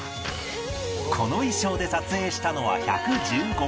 この衣装で撮影したのは１１５枚